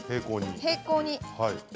平行に。